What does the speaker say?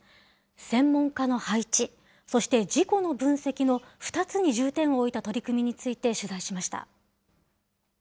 専門家の配置、そして事故の分析の２つに重点を置いた取り組みについて取材しました。